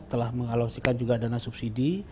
telah mengalosikan juga dana subsidi